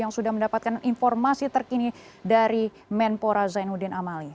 yang sudah mendapatkan informasi terkini dari menpora zainuddin amali